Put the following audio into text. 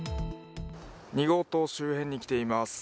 ２号棟周辺に来ています。